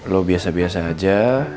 lo biasa biasa aja